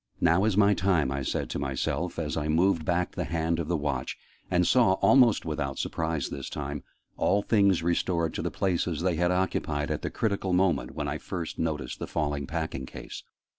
"Now is my time!" I said to myself, as I moved back the hand of the Watch, and saw, almost without surprise this time, all things restored to the places they had occupied at the critical moment when I had first noticed the fallen packing case.